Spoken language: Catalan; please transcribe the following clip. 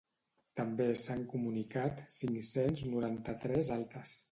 També s’han comunicat cinc-cents noranta-tres altes.